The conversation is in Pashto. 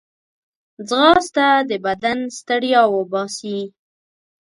ځغاسته د بدن ستړیا وباسي